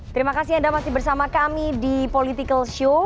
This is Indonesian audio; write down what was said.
terima kasih anda masih bersama kami di political show